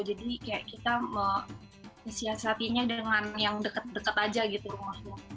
jadi kayak kita menghiasatinya dengan yang deket deket aja gitu rumahnya